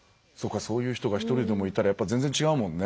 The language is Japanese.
そういう人が一人でもいたら全然、違うもんね。